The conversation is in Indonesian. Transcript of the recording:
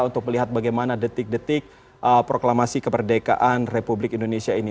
untuk melihat bagaimana detik detik proklamasi kemerdekaan republik indonesia ini